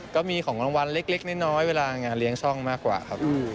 ก็มีของรางวัลเล็กน้อยเวลางานเลี้ยงช่องมากกว่าครับ